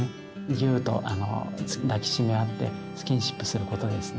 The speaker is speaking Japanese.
ギューッと抱き締め合ってスキンシップすることでですね